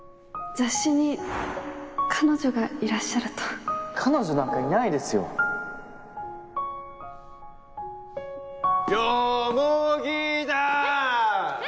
雑誌に彼女がいらっしゃると彼女なんかいないですよよもぎだ！え？